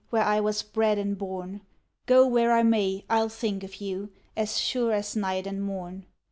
where I was bred and born; Go where I may, I'll think of you, as sure as night and morn.